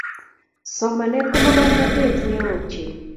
Somanet ko mokornotet neo ochei